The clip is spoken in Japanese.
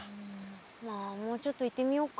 まあもうちょっと行ってみようか。